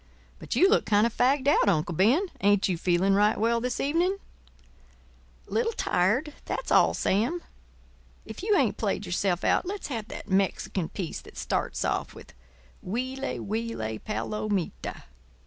But you look kind of fagged out, Uncle Ben—ain't you feeling right well this evening?" "Little tired; that's all, Sam. If you ain't played yourself out, let's have that Mexican piece that starts off with: 'Huile, huile, palomita.